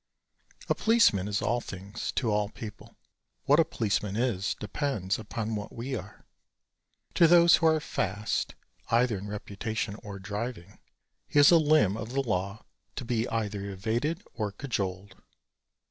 A policeman is all things to all people. What a policeman is depends upon what we are. To those who are fast, either in reputation or driving, he is a limb of the law to be either evaded or cajoled.